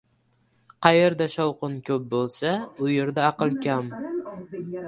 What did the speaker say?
• Qayerda shovqin ko‘p bo‘lsa, u yerda aql kam.